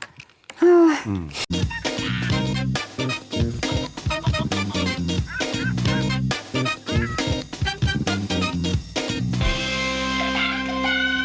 โปรดติดตามตอนต่อไป